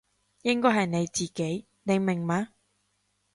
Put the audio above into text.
應該係你自己，你明嘛？